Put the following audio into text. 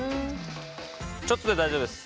ちょっとで大丈夫です。